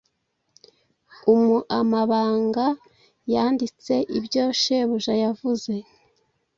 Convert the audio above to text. Umuamabanga yanditse ibyo shebuja yavuze.